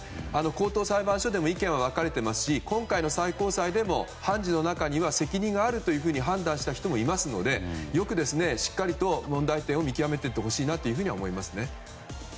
高等裁判所でも意見は分かれていますし今回の最高裁でも判事の中には責任があると判断した人もいますのでしっかりと問題点を、見極めていってほしいなと思います。